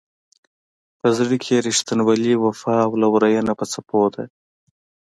په زړه کې یې رښتینولي، وفا او لورینه په څپو ده.